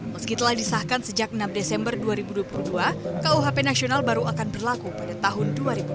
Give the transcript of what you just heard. meski telah disahkan sejak enam desember dua ribu dua puluh dua kuhp nasional baru akan berlaku pada tahun dua ribu dua puluh